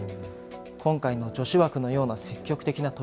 今回の女子枠のような積極的な取